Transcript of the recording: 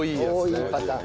多いパターン。